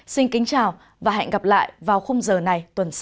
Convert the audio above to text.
xin kính chào và hẹn gặp lại vào khung giờ này tuần sau